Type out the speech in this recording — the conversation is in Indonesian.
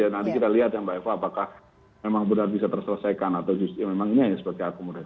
nanti kita lihat ya mbak eva apakah memang benar bisa terselesaikan atau justru memang ini hanya sebagai akomodasi